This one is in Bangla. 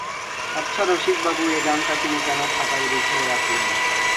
আচ্ছা রসিকবাবু, এ গানটা তিনি কেন খাতায় লিখে রাখলেন?